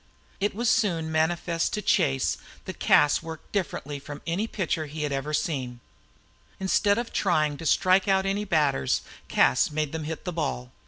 It was soon manifest to Chase that Cas worked differently from any pitcher he had ever seen. Instead of trying to strike out any batters, Cas made them hit the ball.